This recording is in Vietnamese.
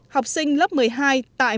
học sinh lớp một mươi hai tại